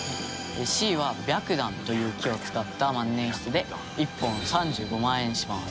Ｃは白檀という木を使った万年筆で１本３５万円します。